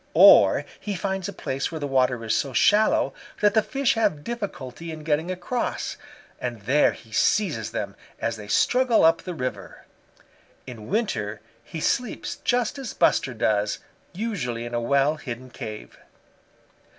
Or he finds a place where the water is so shallow that the fish have difficulty in getting across, and there he seizes them as they struggle up the river. In winter he sleeps just as Buster does, usually in a well hidden cave.